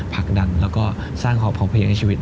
ผลักดันแล้วก็สร้างความพร้อมเพียงให้ชีวิต